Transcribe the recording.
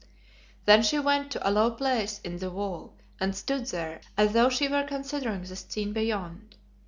Then she went to a low place in the wall and stood there as though she were considering the scene beyond.